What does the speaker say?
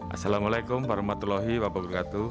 assalamu'alaikum warahmatullahi wabarakatuh